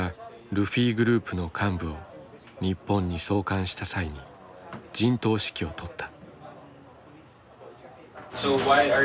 ルフィグループの幹部を日本に送還した際に陣頭指揮を執った。